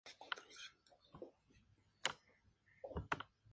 Tomaron su nombre de una canción de la agrupación inglesa Venom.